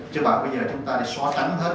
chứ bảo bây giờ chúng ta đi xóa trắng hết